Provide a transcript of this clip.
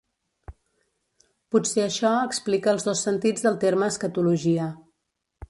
Potser això explica els dos sentits del terme escatologia.